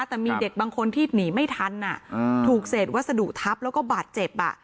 แต่มีเด็กบางคนที่หนีไม่ทันอ่าอ่าถูกเสร็จวัสดุทับแล้วก็บาดเจ็บน่ะ